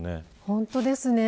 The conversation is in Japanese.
本当ですね。